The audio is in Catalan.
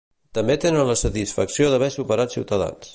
També tenen la satisfacció d'haver superat Ciutadans.